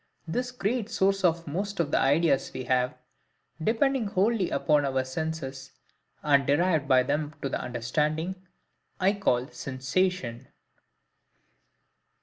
This great source of most of the ideas we have, depending wholly upon our senses, and derived by them to the understanding, I call SENSATION.